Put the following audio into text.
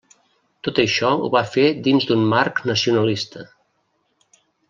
Tot això ho va fer dins d'un marc nacionalista.